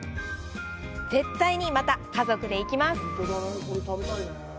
絶対に、また家族で行きます！